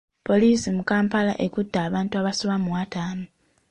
Poliisi mu Kampala ekutte abantu abasoba mu ataano.